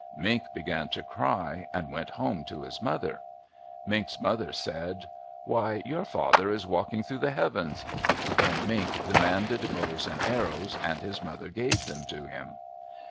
Mink began to cry and went home to his mother. Mink's mother said, "Why, your father is Walking through the Heavens." Then Mink demanded bows and arrows, and his mother gave them to him.